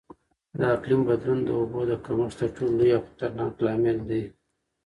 د اقلیم بدلون د اوبو د کمښت تر ټولو لوی او خطرناک لامل دی.